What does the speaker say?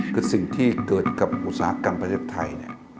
คือสิ่งที่เกิดกับอุตสาหกรรมประเทศไทย